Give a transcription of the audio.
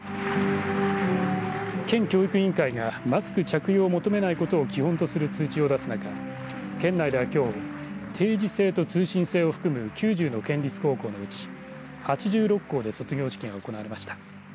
県教育委員会がマスク着用を求めないことを基本とする通知を出す中県内では、きょう定時制と通信制を含む９０の県立高校のうち８６校で卒業式が行われました。